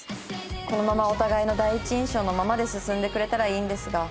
このままお互いの第一印象のままで進んでくれたらいいんですが」